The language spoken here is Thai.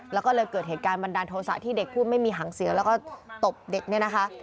แล้วก็เลยเกิดเหตุการณ์บันดาลโทษะที่เด็กพูดไม่มีหางเสือแล้วก็ตบเด็กเนี่ยนะคะ